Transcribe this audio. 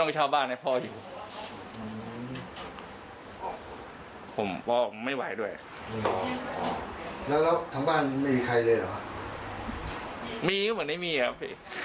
ผมไม่ใช่บายใจผมก็เลยเก็บไว้เหมือนกันครับ